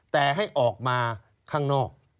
แต่ให้ออกมาข้างนอก